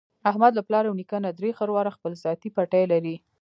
احمد له پلار او نیکه نه درې خرواره خپل ذاتي پټی لري.